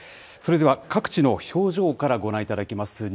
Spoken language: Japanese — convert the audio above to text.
それでは各地の表情からご覧いただきます。